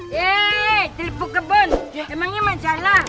hei telpuk kebun emangnya masalah